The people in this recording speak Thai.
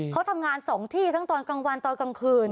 เขาทำงาน๒ที่ทั้งตอนกลางวันตอนกลางคืน